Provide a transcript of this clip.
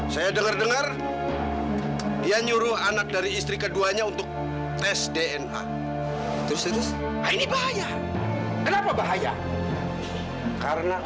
sampai jumpa di video selanjutnya